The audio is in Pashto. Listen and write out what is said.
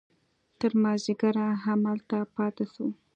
تر مازديګره هملته پاته سو.